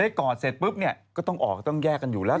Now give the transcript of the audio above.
กอดเสร็จปุ๊บเนี่ยก็ต้องออกต้องแยกกันอยู่แล้ว